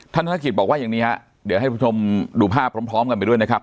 ธนกิจบอกว่าอย่างนี้ฮะเดี๋ยวให้ผู้ชมดูภาพพร้อมกันไปด้วยนะครับ